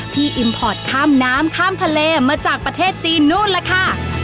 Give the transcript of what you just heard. อิมพอร์ตข้ามน้ำข้ามทะเลมาจากประเทศจีนนู่นล่ะค่ะ